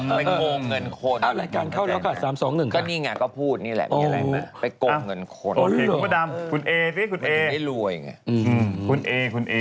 ไปโงงเงินคน